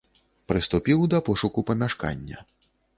Прыступіў да пошуку памяшкання.